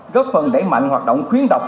góp phần đẩy mạnh hoạt động khuyến độc